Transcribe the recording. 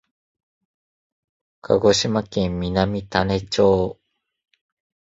鹿児島県南種子町